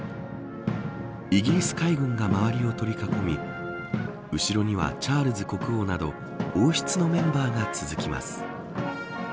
イギリス海軍が周りを取り囲み後ろにはチャールズ国王など王室のメンバーが続きます。